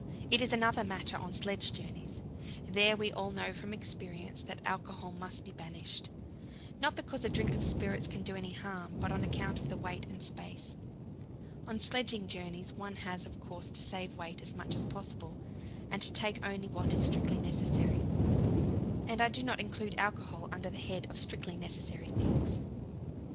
It is another matter on sledge journeys: there we all know from experience that alcohol must be banished not because a drink of spirits can do any harm, but on account of the weight and space. On sledging journeys one has, of course, to save weight as much as possible, and to take only what is strictly necessary; and I do not include alcohol under the head of strictly necessary things.